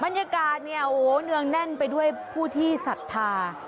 บรรยากาศเนี่ยโอ้โหเนืองแน่นไปด้วยผู้ที่ศรัทธา